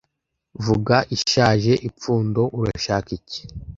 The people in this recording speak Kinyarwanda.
Vuga, ishaje-ipfundo, urashaka iki?